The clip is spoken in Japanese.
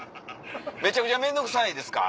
めちゃくちゃ面倒くさいですか？